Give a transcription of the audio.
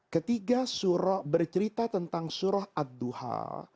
ketiga surah bercerita tentang surah at duha